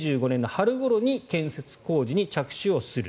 春ごろに建設工事に着手をする。